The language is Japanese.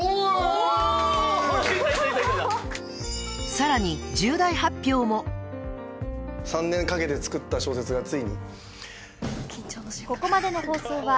［さらに］３年かけて作った小説がついに。